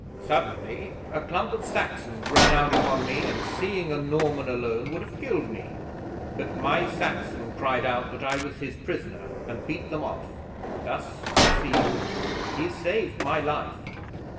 ] 'Suddenly a clump of Saxons ran out upon me and, seeing a Norman alone, would have killed me, but my Saxon cried out that I was his prisoner, and beat them off. Thus, see you, he saved my life.